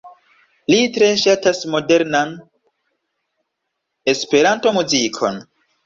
Li tre ŝatas modernan Esperanto-muzikon.